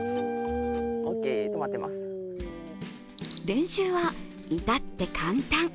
練習は至って簡単。